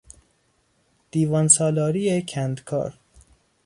دیوان سالاری کندکار